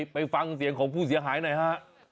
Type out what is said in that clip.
ไปฟังเสียงของผู้เสียหายหน่อยฮะ